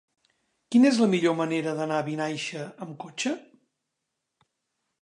Quina és la millor manera d'anar a Vinaixa amb cotxe?